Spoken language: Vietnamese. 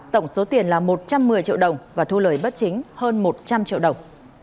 tổng số tiền là một trăm một mươi triệu đồng và thu lời bất chính hơn một trăm linh triệu đồng